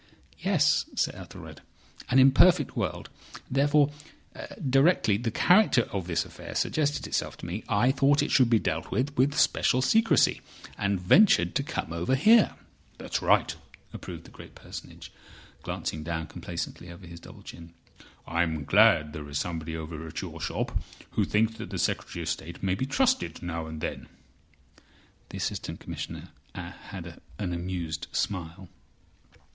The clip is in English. "Yes, Sir Ethelred—An imperfect world. Therefore directly the character of this affair suggested itself to me, I thought it should be dealt with with special secrecy, and ventured to come over here." "That's right," approved the great Personage, glancing down complacently over his double chin. "I am glad there's somebody over at your shop who thinks that the Secretary of State may be trusted now and then." The Assistant Commissioner had an amused smile.